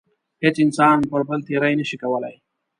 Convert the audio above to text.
هیڅ انسان پر بل تېرۍ نشي کولای.